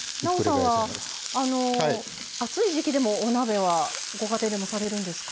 なおさんは暑い時季でもお鍋はご家庭でもされるんですか？